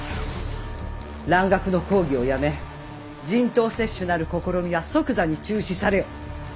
蘭学の講義をやめ人痘接種なる試みは即座に中止されよ！